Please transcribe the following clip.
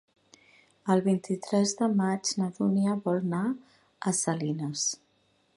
El vint-i-tres de maig na Dúnia vol anar a Salines.